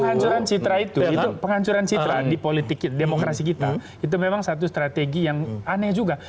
penghancuran citra itu penghancuran citra di politik demokrasi kita itu memang satu strategi yang aneh juga